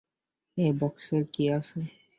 এই বাক্সের কি অবস্থা?